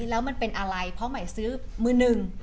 แล้วมันเป็นอะไรเพราะหมายซื้อมือหนึ่ง